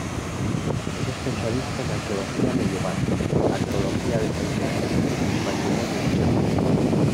Es especialista en Arqueología Medieval, Arqueología del Paisaje, y Patrimonio Histórico.